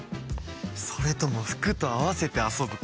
それとも服と合わせて遊ぶか。